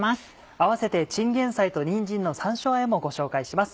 併せて「チンゲンサイとにんじんの山椒あえ」もご紹介します。